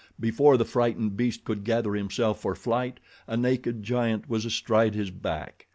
Before the frightened beast could gather himself for flight a naked giant was astride his back.